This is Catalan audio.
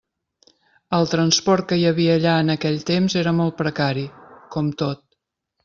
El transport que hi havia allà en aquell temps era molt precari, com tot.